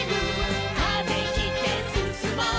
「風切ってすすもう」